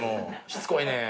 しつこいねん。